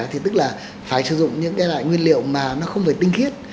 thì tức là phải sử dụng những cái nguyên liệu mà nó không phải tinh thiết